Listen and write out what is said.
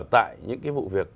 tại những cái vụ việc